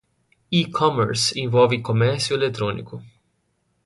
E-commerce envolve comércio eletrônico.